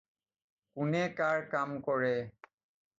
কোনে কাৰ কাম কৰে?